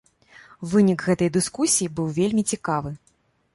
Вынік гэтай дыскусіі быў вельмі цікавы.